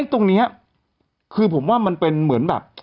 ตรงนี้คือผมว่ามันเป็นเหมือนแบบ